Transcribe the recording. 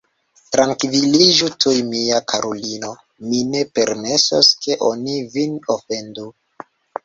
Trankviliĝu tuj, mia karulino, mi ne permesos, ke oni vin ofendu.